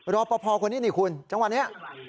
รอป่าวพอคนนี้นี่คุณจังหวัดนี้